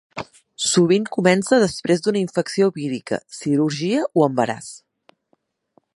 Sovint comença després d'una infecció vírica, cirurgia o embaràs.